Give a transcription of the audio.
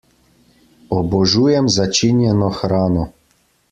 Obožujem začinjeno hrano!